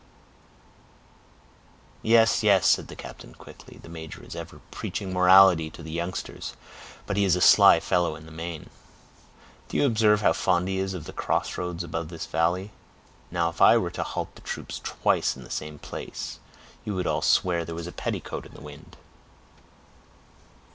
"Yes, yes," said the captain, quickly, "the major is ever preaching morality to the youngsters, but he is a sly fellow in the main. Do you observe how fond he is of the cross roads above this valley? Now, if I were to halt the troops twice in the same place, you would all swear there was a petticoat in the wind."